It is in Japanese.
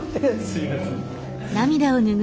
すみません。